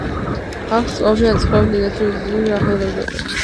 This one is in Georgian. აქ სწავლობდნენ და ცხოვრობდნენ წარჩინებული წოდების ახალგაზრდები.